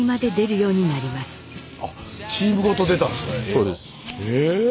そうです。え！